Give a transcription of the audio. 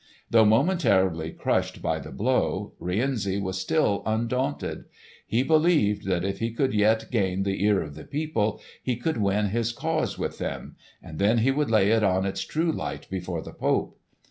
Though momentarily crushed by the blow, Rienzi was still undaunted. He believed that if he could yet gain the ear of the people he could win his cause with them, and then he would lay it in its true light before the Pope.